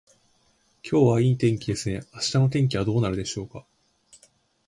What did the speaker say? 今日はいい天気ですね。明日の天気はどうなるでしょうか。